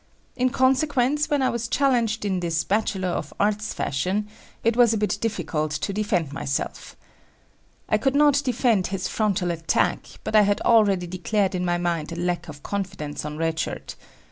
In consequence, when I was challenged in this Bachelor of Arts fashion, it was a bit difficult to defend myself. I could not defend his frontal attack, but I had already declared in my mind a lack of confidence on Red Shirt.